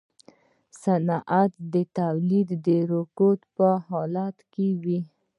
صنعتي تولید د رکود په حالت کې وي